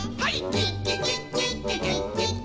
「キッキキッキッキキッキッキ」